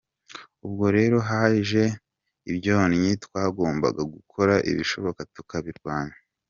Ubwo rero haje ibyonnyi twagombaga gukora ibishoboka tukabirwanya”.